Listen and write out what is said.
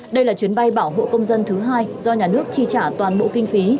đây là chuyến bay bảo hộ công dân thứ hai do nhà nước chi trả toàn bộ kinh phí